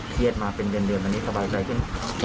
เครียดมาเป็นเดือนวันนี้สบายใจขึ้น